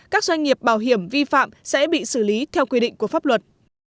các doanh nghiệp bảo hiểm vi phạm sẽ bị xử lý theo quy định của pháp luật